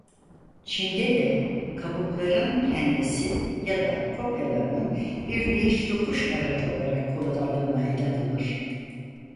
Çin'de de kabukların kendisi ya da kopyalarının bir değiş tokuş aracı olarak kullanıldığına inanılır.